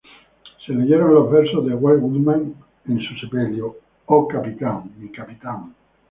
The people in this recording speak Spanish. Se leyeron los versos de Walt Whitman en su sepelio: ¡Oh, capitán!